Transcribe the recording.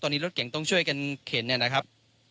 ตอนนี้รถเก่งต้องช่วยกันเข็นเนี่ยนะครับ